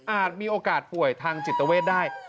มีโอกาสป่วยทางจิตเวทได้